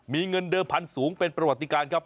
มีเงินเดิมพันธุ์สูงเป็นประวัติการครับ